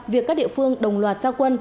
việc các địa phương đồng loạt gia quân